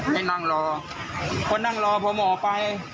ให้นั่งรอคนนั่งรอผมออกไป